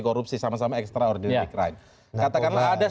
kita tahan dulu